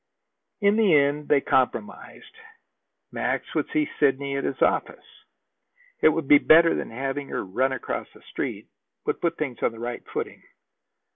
In the end they compromised. Max would see Sidney at his office. It would be better than having her run across the Street would put things on the right footing.